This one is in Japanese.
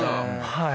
はい。